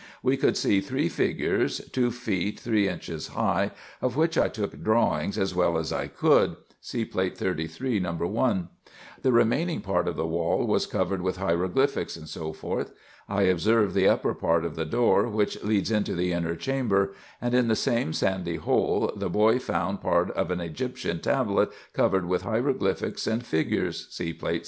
We could see three figures, two feet three inches high, of which I took drawings as well as I could (See Plate 33, No. 1), The remaining part of the wall was covered with hieroglyphics, &c. I observed the upper part of the door which leads into the inner chamber; and in the same sandy hole the boy found part of an Egyptian tablet covered with hieroglyphics and figures (See Plate 16.)